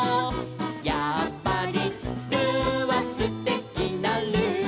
「やっぱりルーはすてきなルー」